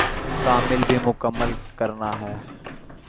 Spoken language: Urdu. کالم بھی مکمل کرنا ہے۔